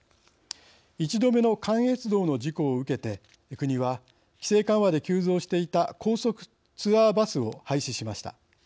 １度目の関越道の事故を受けて国は規制緩和で急増していた高速ツアーバスを廃止しました。